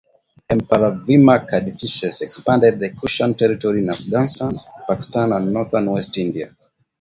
Emperor Vima Kadphises expanded the Kushan territory in Afghanistan, Pakistan and north-west India.